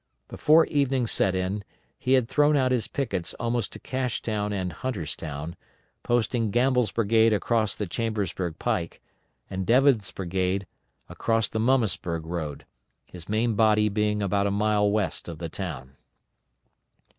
Before evening set in, he had thrown out his pickets almost to Cashtown and Hunterstown, posting Gamble's brigade across the Chambersburg pike, and Devin's brigade across the Mummasburg road, his main body being about a mile west of the town.